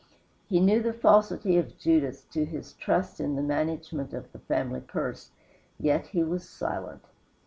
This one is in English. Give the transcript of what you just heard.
He knew the falsity of Judas to his trust in the management of the family purse, yet he was silent.